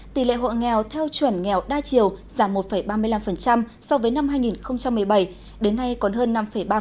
tỷ lệ hộ nghèo theo chuẩn nghèo đa chiều giảm một ba mươi năm so với năm hai nghìn một mươi bảy đến nay còn hơn năm ba